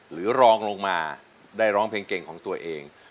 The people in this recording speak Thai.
หรือรองลงมาได้ร้องเพลงเก่งของตัวเอง